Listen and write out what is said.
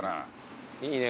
いいね